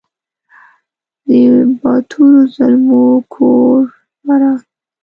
د باتورو زلمو کور فراه !